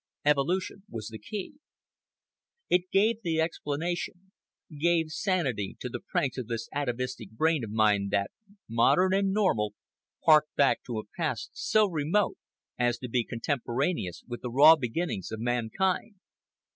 Evolution was the key. It gave the explanation, gave sanity to the pranks of this atavistic brain of mine that, modern and normal, harked back to a past so remote as to be contemporaneous with the raw beginnings of mankind.